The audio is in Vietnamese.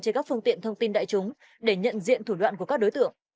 trên các phương tiện thông tin đại chúng để nhận diện thủ đoạn của các đối tượng